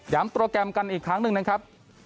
โปรแกรมกันอีกครั้งหนึ่งนะครับ